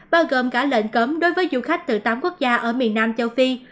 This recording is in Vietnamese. bao gồm cả lệnh cấm đối với du khách từ tám quốc gia ở miền nam châu phi